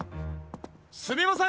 すみません